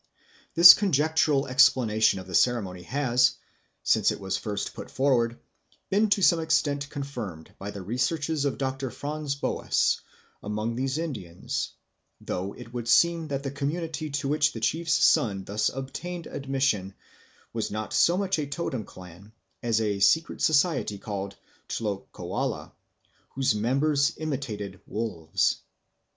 This conjectural explanation of the ceremony has, since it was first put forward, been to some extent confirmed by the researches of Dr. Franz Boas among these Indians; though it would seem that the community to which the chief's son thus obtained admission was not so much a totem clan as a secret society called Tlokoala, whose members imitated wolves.